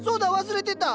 忘れてた。